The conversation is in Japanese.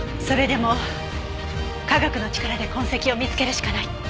それでも科学の力で痕跡を見つけるしかない。